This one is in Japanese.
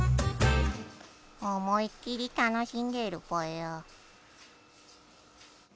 思い切り楽しんでいるぽよ。